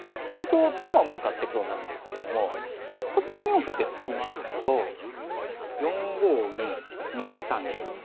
この歩をどう守るかってことになるんですけれどもここで２四歩って突きますと４五銀２三玉。